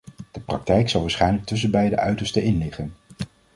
De praktijk zal waarschijnlijk tussen beide uitersten in liggen.